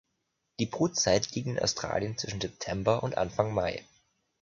Die Brutzeit liegt in Australien zwischen September und Anfang Mai.